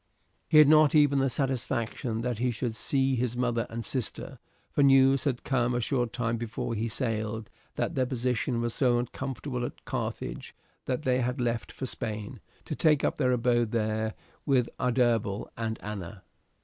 He had not even the satisfaction that he should see his mother and sister, for news had come a short time before he sailed that their position was so uncomfortable at Carthage that they had left for Spain, to take up their abode there with Adherbal and Anna.